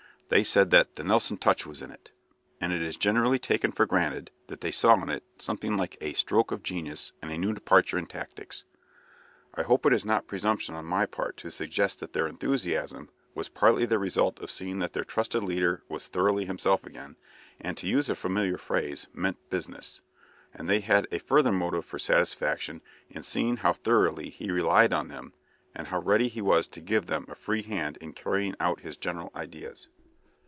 They said that "the Nelson touch" was in it, and it is generally taken for granted that they saw in it something like a stroke of genius and a new departure in tactics. I hope it is not presumption on my part to suggest that their enthusiasm was partly the result of their seeing that their trusted leader was thoroughly himself again and, to use a familiar phrase, meant business, and they had a further motive for satisfaction in seeing how thoroughly he relied on them and how ready he was to give them a free hand in carrying out his general ideas.